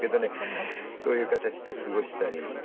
そういう形で過ごしたり。